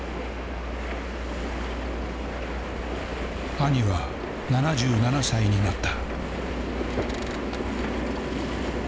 兄は７７歳になった。